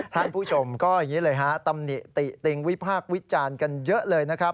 ท่านผู้ชมก็อย่างนี้เลยฮะตำหนิติติติงวิพากษ์วิจารณ์กันเยอะเลยนะครับ